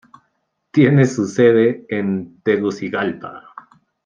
Tiene su sede en Tegucigalpa.